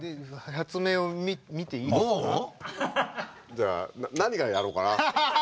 じゃあ何からやろうかな。